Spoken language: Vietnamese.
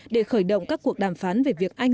để khởi động các cuộc đàm phán về việc anh